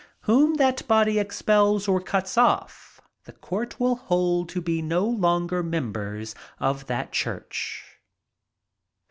Whom that body expels or cuts off, the court will hold to be no longer members of that church.